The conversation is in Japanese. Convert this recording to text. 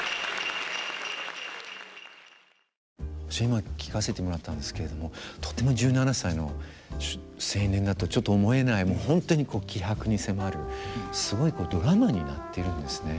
今聴かせてもらったんですけれどもとても１７歳の青年だとちょっと思えない本当に気迫に迫るすごいドラマになってるんですね。